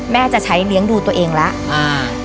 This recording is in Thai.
จะใช้เลี้ยงดูตัวเองแล้ว